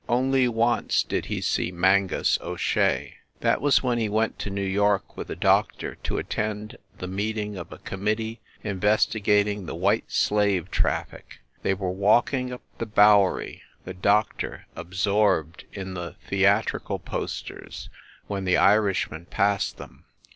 Only once did he see Mangus O Shea. That was when he went to New York with the doctor to at tend the meeting of a committee investigating the white slave traffic. They were walking up the Bow ery, the doctor absorbed in the theatrical posters, when the Irishman passed them.